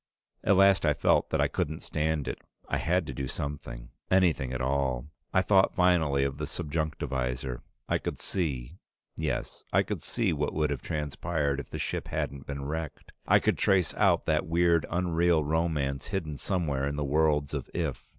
At last I felt that I couldn't stand it. I had to do something anything at all. I thought finally of the subjunctivisor. I could see yes, I could see what would have transpired if the ship hadn't been wrecked! I could trace out that weird, unreal romance hidden somewhere in the worlds of "if".